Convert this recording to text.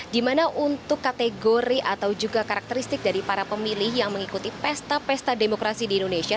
dimana untuk kategori atau juga karakteristik dari para pemilih yang mengikuti pesta pesta demokrasi di indonesia